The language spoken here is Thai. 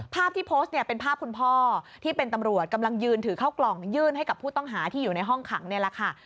ภาพที่โพสต์เนี่ยเป็นภาพคุณพ่อที่เป็นตำรวจกำลังยืนถือเข้ากล่องยื่นให้กับผู้ต้องหาที่อยู่ในห้องขังนี่แหละค่ะ